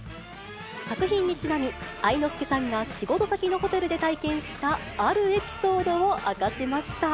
作品にちなみ、愛之助さんが仕事先のホテルで体験した、あるエピソードを明かしました。